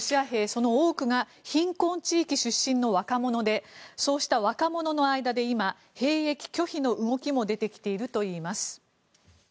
その多くが貧困地域出身の若者でそうした若者の間で今、兵役拒否の動きも出てきているといいます。